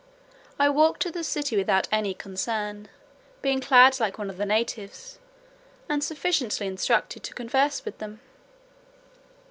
I walked to the city without any concern, being clad like one of the natives, and sufficiently instructed to converse with them.